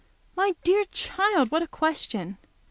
"My dear child, what a question!